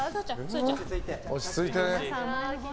落ち着いて。